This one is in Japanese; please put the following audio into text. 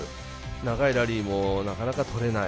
長いラリーもなかなか取れない。